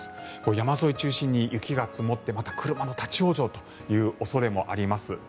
山沿い中心に雪が積もってまた車の立ち往生という恐れもあります。